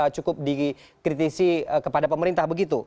cukup dikritisi kepada pemerintah begitu